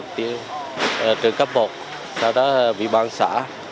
trường cấp một sau đó bị băng xã